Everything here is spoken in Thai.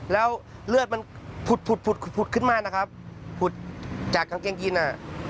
แล้วเลือดมันผุดผุดผุดขึ้นมานะครับผุดจากกางเกงยีนอ่ะ